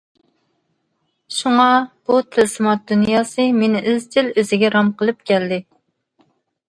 شۇڭا، بۇ تىلسىمات دۇنياسى مېنى ئىزچىل ئۆزىگە رام قىلىپ كەلدى.